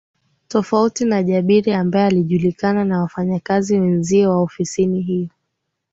Tofauti na Jabir ambaye alijulikana na wafanyakazi wenzie wa ofisi hiyo